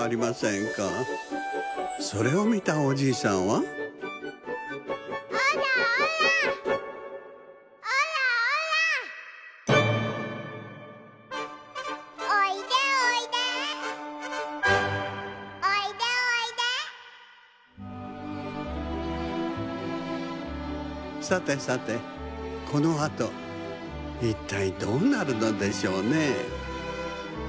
それをみたおじいさんはさてさてこのあといったいどうなるのでしょうね？